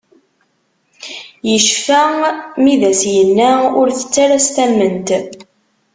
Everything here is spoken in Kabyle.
Yecfa mi i d as-yenna ur tett ala s tamment.